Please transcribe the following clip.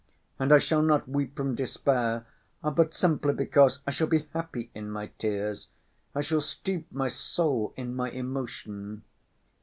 And I shall not weep from despair, but simply because I shall be happy in my tears, I shall steep my soul in my emotion.